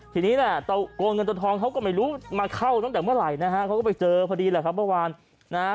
ทีนี้แหละตัวเงินตัวทองเขาก็ไม่รู้มาเข้าตั้งแต่เมื่อไหร่นะฮะเขาก็ไปเจอพอดีแหละครับเมื่อวานนะฮะ